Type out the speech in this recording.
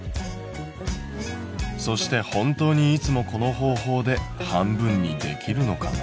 そして本当にいつもこの方法で半分にできるのかな？